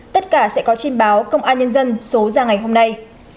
tất cả sẽ có trên báo công an nhân dân số ra ngày hôm nay